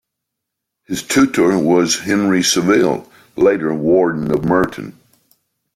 His tutor was Henry Saville, later warden of Merton.